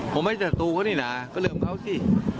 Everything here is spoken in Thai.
ผมไม่ศัตรูเขานี่นะก็ลืมเขาสิ